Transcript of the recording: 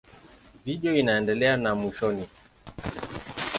Video inaendelea na mwishoni.